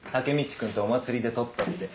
君とお祭りで取ったって。